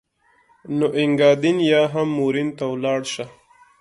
نو اینګادین یا هم مورین ته ولاړ شه.